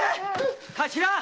頭！